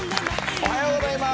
おはようございます。